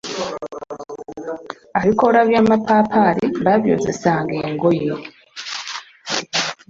Abikoola by’omupaapaali baabyozesanga engoye.